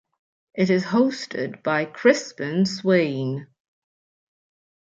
It is hosted by Crispin Swayne.